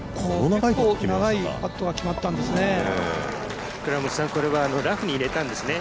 長いパットが決まったんですね。